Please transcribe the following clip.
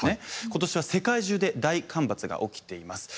今年は世界中で大干ばつが起きています。